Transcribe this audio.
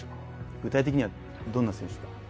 具体的にはどんな選手に？